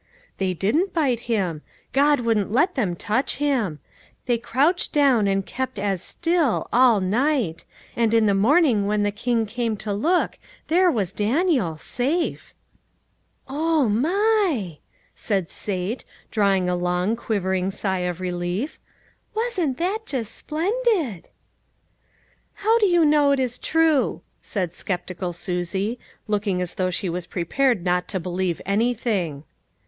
"They didn't bite him"; God wouldn't let them touch him. They crouched down and kept as still, all night ; and in the morning when the king came to look, there was Daniel, safe !"" Oh my !" said Sate, drawing a long, quiver ing sigh of relief; " wasn't that just splendid !"" How do you know it is true ?" said skeptical Susie, looking as though she was prepared not to believe anything.